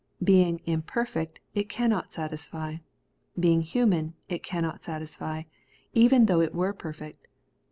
Being imperfect , it cannot satisfy ; being human, it cannot satisfy, even though it were perfect.